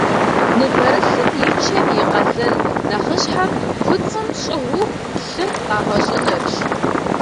Ныбэрылъым и чэм и къалэн нэхъыщхьэр куцӏым щӏыгъуу лъы къэгъэщӏынырщ.